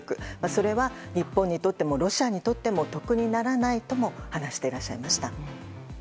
それは日本にとってもロシアにとっても得にならないとも話していらっしゃいました。